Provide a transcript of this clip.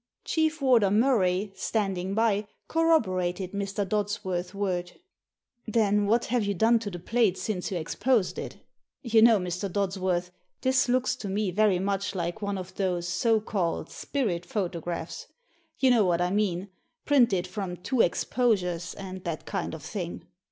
Chief Warder Murray, standing by, corroborated Mr. Dodsworth's word. " Then what have you done to the plate since you exposed it? You know, Mr, Dodsworth, this looks to me very much like one of those so called spirit photographs — you know what I mean — printed from two exposures, and that kind of thing."